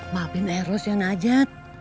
maafin eros ya najat